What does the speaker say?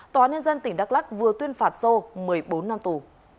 tòa án nhân dân tỉnh đắk lắc vừa tuyên phạt sô một mươi bốn năm tù